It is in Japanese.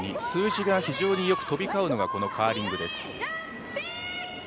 １２．２、数字が非常によく飛び交うのがカーリングです。